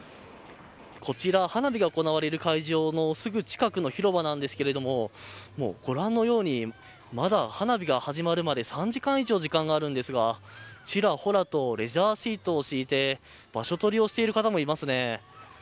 こちら、花火が行われる会場のすぐ近くの広場なんですけれどももう、ご覧のようにまだ花火が始まるまで３時間以上時間があるんですがちらほらとレジャーシートを敷いて場所取りをしている方もいますね。